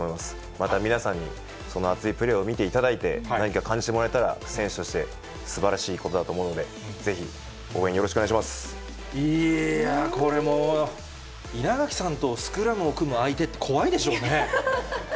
また皆さんにその熱いプレーを見ていただいて、何か感じてもらえたら、選手としてすばらしいことだと思うので、ぜひ応援よろしくいやー、これも稲垣さんとスクラムを組む相手、怖いでしょうね。